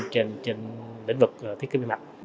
trên lĩnh vực thiết kế vi mạch